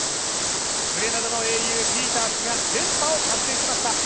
グレナダの英雄、ピータースが連覇を達成しました。